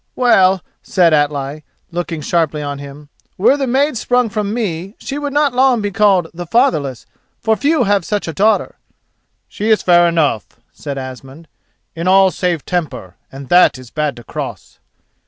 "Well," said Atli, looking sharply on him, "were the maid sprung from me, she would not long be called the 'Fatherless,' for few have such a daughter." "She is fair enough," said Asmund, "in all save temper, and that is bad to cross."